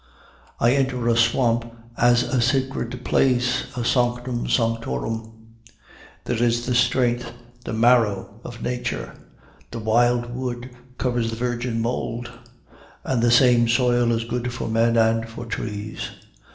I enter a swamp as a sacred place, a sanctum sanctorum. There is the strength, the marrow of Nature. The wild wood covers the virgin mold, and the same soil is good for men and for trees.